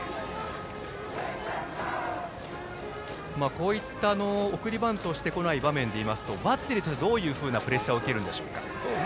こういった送りバントをしてこない場面でいいますとバッテリーとしてはどういうプレッシャーを受けるんでしょうか。